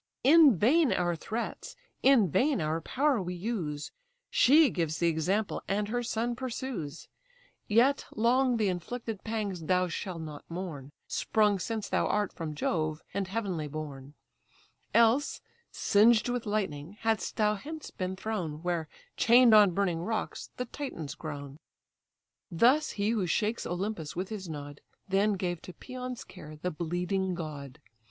In vain our threats, in vain our power we use; She gives the example, and her son pursues. Yet long the inflicted pangs thou shall not mourn, Sprung since thou art from Jove, and heavenly born. Else, singed with lightning, hadst thou hence been thrown, Where chain'd on burning rocks the Titans groan." Thus he who shakes Olympus with his nod; Then gave to Pæon's care the bleeding god.